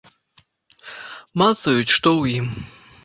Мацаюць, што ў ім.